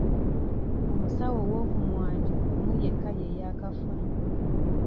Omusawo ow'okumwanjo omu yekka ye yaakafa.